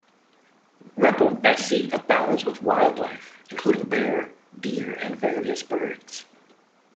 Repovesi abounds with wildlife including bear, deer and various birds.